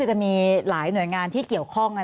จะมีหลายหน่วยงานที่เกี่ยวข้อง